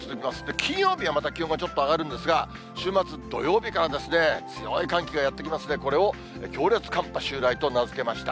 金曜日はまた気温がちょっと上がるんですが、週末土曜日から、強い寒気がやって来ますね、これを強烈寒波襲来と名付けました。